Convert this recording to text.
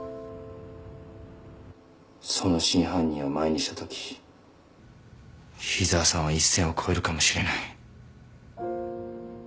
その真犯人を前にしたとき井沢さんは一線を越えるかもしれない。